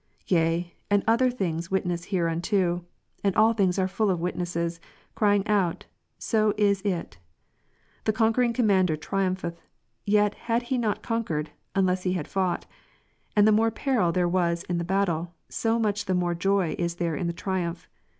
yea, and other things witness here unto ; and all things are full of witnesses, crying out, " so is it." The conquering commander triumpheth ; yet had he not conquered, unless he had fought ; and the more peril there wasinthebattle, somuchthemore joy is there in the triumph.